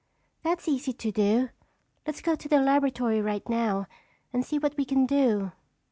"That's easy to do. Let's go to the laboratory right now and see what we can do."